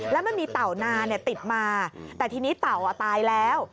แล้วมันมีเต่านาติดมาแต่ทีนี้เต่าตายแล้ว